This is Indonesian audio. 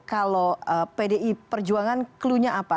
kalau pdi perjuangan klunya apa